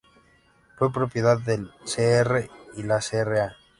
Fue propiedad del Sr. y la Sra.